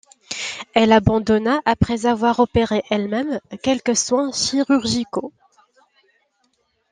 Elle abandonna après avoir opéré elle-même quelques soins chirurgicaux.